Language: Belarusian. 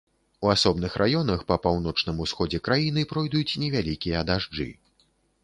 У асобных раёнах па паўночным усходзе краіны пройдуць невялікія дажджы.